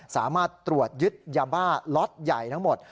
สามารถตรวจยึดยาบ้าล็อตใหญ่ทั้งหมด